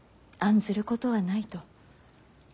案ずることはないと。